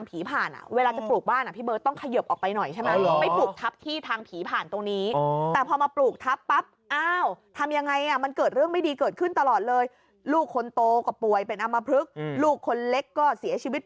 นี่อันนี้ข้างบนเป็นหัว